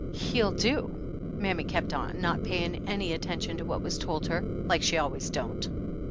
"He'll do" mammy kept on, not paying any attention to what was told her, like she always don't.